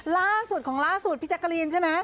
ล่างสุดของล่างสุดพี่จริงใช่มั้ย